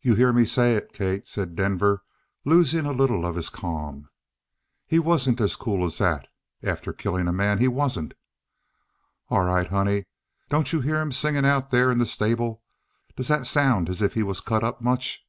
"You hear me say it, Kate," said Denver, losing a little of his calm. "He wasn't as cool as that after killing a man. He wasn't." "All right, honey. Don't you hear him singing out there in the stable? Does that sound as if he was cut up much?"